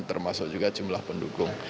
termasuk juga jumlah pendukung